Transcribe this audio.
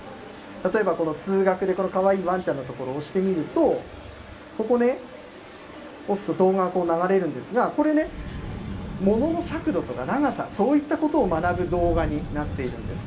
例えばこの数学で、このかわいいわんちゃんのところ押してみると、ここね、押すと動画がこう流れるんですが、これね、ものの尺度とか長さ、そういったことを学ぶ動画になっているんです。